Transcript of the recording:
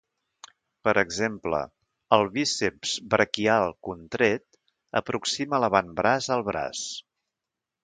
Per exemple, el bíceps braquial contret aproxima l'avantbraç al braç.